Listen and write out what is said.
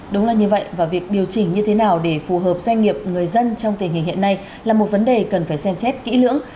đúng là như vậy và việc điều chỉnh như thế nào để phù hợp doanh nghiệp người dân trong tình hình hiện nay là một vấn đề cần phải xem xét kỹ lưỡng